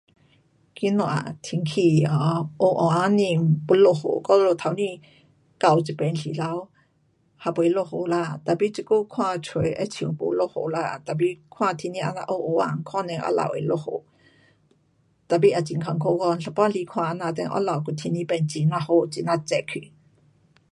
今天天气 um 黑黑暗天要下雨。我们刚才到这边时头还没下雨啦，tapi 这久看出去好像没下雨啦。tapi 看天气这样黑黑暗可能下午会下雨。tapi 也很困苦讲有半时看这样等下午就天气变很呀好很呀热去。